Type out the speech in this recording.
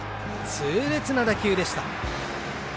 痛烈な打球でした。